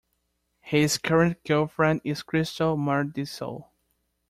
His current girlfriend is Kristel Mardisoo.